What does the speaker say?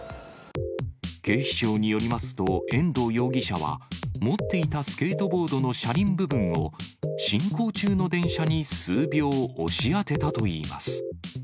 警視庁によりますと、遠藤容疑者は、持っていたスケートボードの車輪部分を進行中の電車に数秒押し当てたといいます。